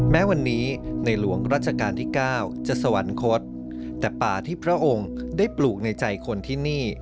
แม้วันนี้ในหลวงรัชกาลที่๙จะสวรรคตแต่ป่าที่พระองค์ได้ปลูกในใจคนที่นี่